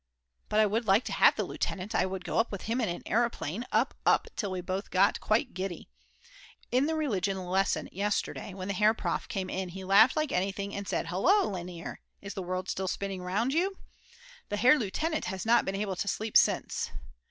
But I would like to have the lieutenant, I would go up with him in an aeroplane, up, up, till we both got quite giddy. In the religion lesson yesterday, when the Herr Prof. came in he laughed like anything and said: "Hullo, Lainer, is the world still spinning round you? The Herr Leutnant has not been able to sleep since."